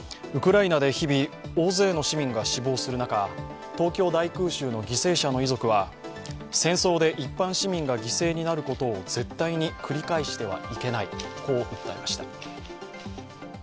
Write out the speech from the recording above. ウクライナで日々、大勢の市民が死亡する中、東京大空襲の犠牲者の遺族は戦争で一般市民が犠牲になることを絶対に繰り返してはいけない、こう訴えました。